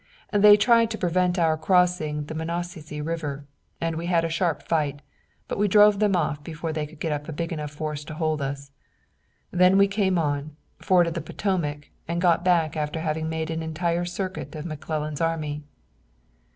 They tried to prevent our crossing the Monocacy River, and we had a sharp fight, but we drove them off before they could get up a big enough force to hold us. Then we came on, forded the Potomac and got back after having made an entire circuit of McClellan's army."